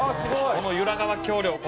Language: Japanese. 「この由良川橋梁